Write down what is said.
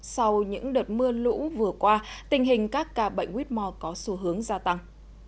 sau những đợt mưa lũ vừa qua tình hình các ca bệnh quýt mò có xu hướng gia tăng